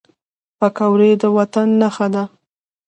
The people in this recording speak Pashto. پکورې د وطن نښه ده